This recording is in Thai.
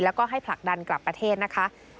แล้วก็ให้ผลักดันกลับประเทศนะคะ